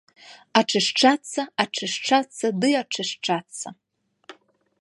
Ачышчацца, ачышчацца ды ачышчацца.